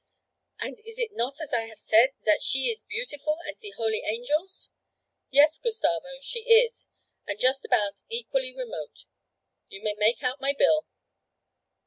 'And is it not as I have said, zat she is beautiful as ze holy angels?' 'Yes, Gustavo, she is and just about equally remote. You may make out my bill.'